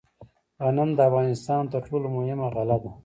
غنم د افغانستان تر ټولو مهمه غله ده.